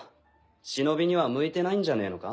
忍には向いてないんじゃねぇのか？